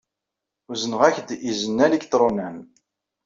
Uzneɣ-ak-d izen aliktṛunan.